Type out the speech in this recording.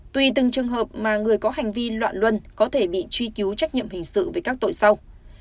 tùy từng trường hợp mà người có hành vi loạn luân có thể bị truy cứu trách nhiệm hình sự về các tội sau